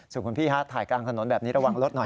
ส่วนคุณพี่ฮะถ่ายกลางถนนแบบนี้ระวังรถหน่อย